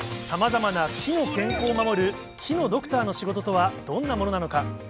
さまざまな木の健康を守る木のドクターの仕事とはどんなものなのか。